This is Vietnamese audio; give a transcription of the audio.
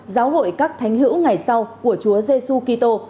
giáo hội các thánh hữu ngày sau của chúa giê xu kỳ tô